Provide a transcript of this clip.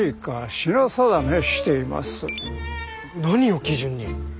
何を基準に？